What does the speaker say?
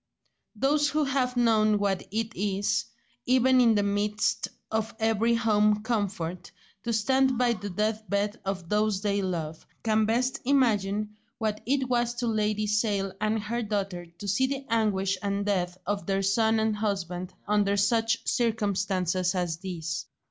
Those who have known what it is, even in the midst of every home comfort, to stand by the death bed of those they love, can best imagine what it was to Lady Sale and her daughter to see the anguish and death of their son and husband under such circumstances as these.